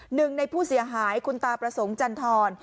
หนึ่งในผู้เสียหายคุณตาประสงค์จันทร